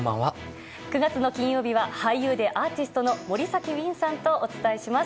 ９月の金曜日は俳優でアーティストの森崎ウィンさんとお伝えします。